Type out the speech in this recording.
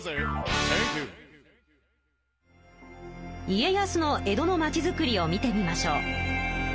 家康の江戸の町づくりを見てみましょう。